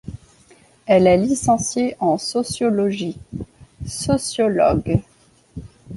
Elle est licenciée en sociologie; Sociologue.